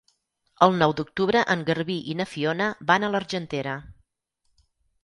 El nou d'octubre en Garbí i na Fiona van a l'Argentera.